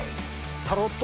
タロット